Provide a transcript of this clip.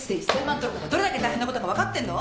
取ることがどれだけ大変なことだか分かってんの！？